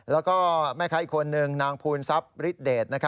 แล้วก็แม่ค้าอีกคนนึงนางภูนทรัพย์ฤทธเดช